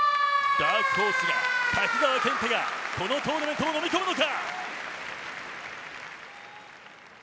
ダークホースが、瀧澤謙太がこのトーナメントをのみ込むのか。